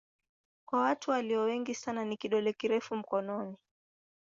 Kwa watu walio wengi sana ni kidole kirefu mkononi.